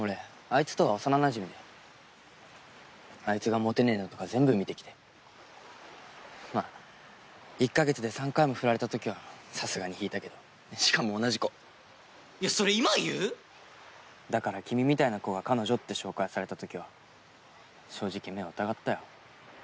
あいつとは幼なじみであいつがモテねぇのとか全部見てきてまぁ１ヵ月で３回も振られた時はさすがに引いたけどだから君みたいな子が彼女って紹介された時は正直目を疑ったよ